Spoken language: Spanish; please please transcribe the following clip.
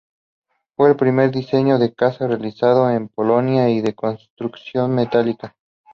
Fue el primer diseño de caza realizado en Polonia y de construcción metálica.